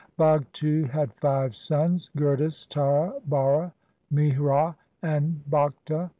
Bhagtu had five sons, Gurdas, Tara, Bhara, Mihra, and Bakhta.